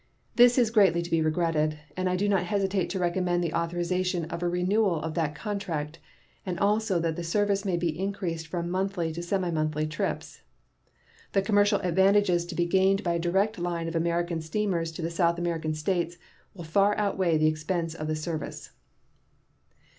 This is greatly to be regretted, and I do not hesitate to recommend the authorization of a renewal of that contract, and also that the service may be increased from monthly to semi monthly trips. The commercial advantages to be gained by a direct line of American steamers to the South American States will far outweigh the expense of the service.